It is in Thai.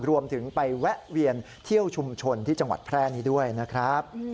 รวมถึงไปแวะเวียนเที่ยวชุมชนที่จังหวัดแพร่นี้ด้วยนะครับ